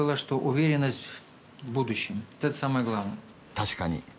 確かに。